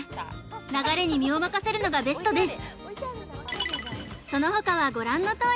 流れに身を任せるのがベストです